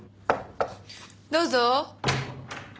どうぞ。